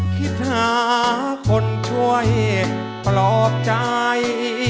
คิดหาคนช่วยปลอบใจ